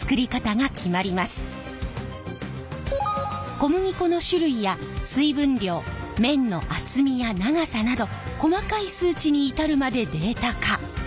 小麦粉の種類や水分量麺の厚みや長さなど細かい数値に至るまでデータ化。